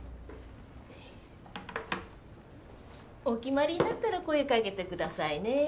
お決まりになったら声かけてくださいね。